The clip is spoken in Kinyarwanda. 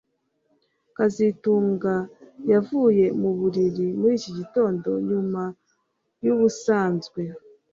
kazitunga yavuye mu buriri muri iki gitondo nyuma yubusanzwe